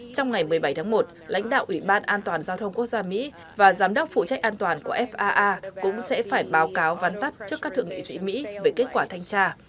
trong ngày một mươi bảy tháng một lãnh đạo ủy ban an toàn giao thông quốc gia mỹ và giám đốc phụ trách an toàn của faa cũng sẽ phải báo cáo vắn tắt trước các thượng nghị sĩ mỹ về kết quả thanh tra